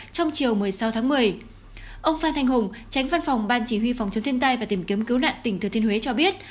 tránh văn phòng ban chỉ huy phòng chống thiên tai và tìm kiếm cứu nạn tỉnh thừa thiên huế cho biết